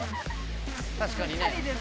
確かにね。